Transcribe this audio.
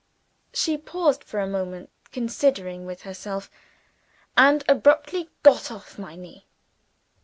She paused for a moment, considering with herself and abruptly got off my knee.